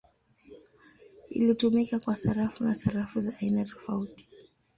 Ilitumika kwa sarafu na sarafu za aina tofauti.